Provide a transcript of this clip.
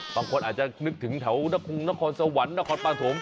บางคนอาจจะนึกถึงแถวนครสวรรค์นครปฐม